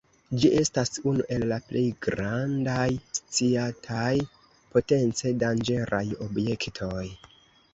Ĝi estas unu el la plej grandaj sciataj potence danĝeraj objektoj.